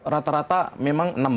rata rata memang enam belas